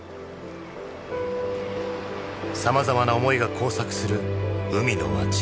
さまざまな思いが交錯する海の町。